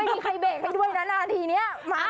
ไปเตะไข่ด้วยนะไปตีนี้